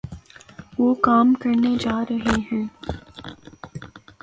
وہ کام کرنےجارہےہیں